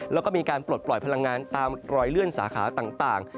แล้วก็มีการปลดปล่อยพลังงานตามรอยเลื่อนสาขาต่าง